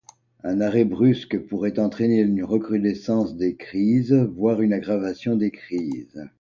Un arrêt brusque pourrait entraîner une recrudescence des crises, voire une aggravation des crises.